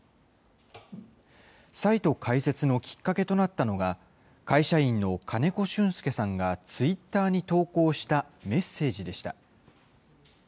サイト開設のきっかけとなったのが、会社員の金子俊介さんがツイッターに投稿したメッセージでした。